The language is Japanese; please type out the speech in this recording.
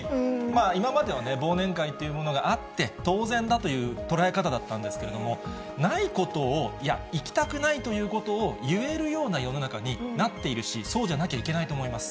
今までは忘年会っていうものがあって当然だという捉え方だったんですけど、ないことを、いや、行きたくないということを言えるような世の中になっているし、そうじゃなきゃいけないと思います。